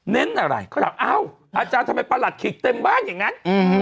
เน้นอะไรเขาก็ล้าวเอ้าอาจารย์ทำไมประหลาดขีดเต็มมากอย่างงั้น